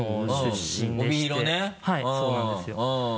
はいそうなんですよ。